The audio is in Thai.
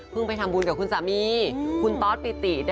ซึ่งทุกปีเราก็จะทำแบบนี้ค่ะ